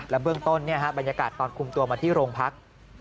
เบื้องต้นบรรยากาศตอนคุมตัวมาที่โรงพัก